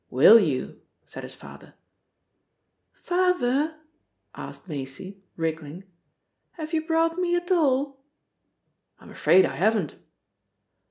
"Will you!" said his father. "Fahver," asked Maisie, wriggling, "have you brought me a doll?" "I'm afraid I haven't."